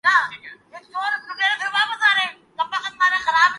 میں نہاتاہوں اور کپڑے پہنتا ہوں